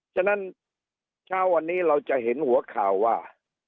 ฉะนั้นเช้าวันนี้เราจะเห็นหัวข่าวว่า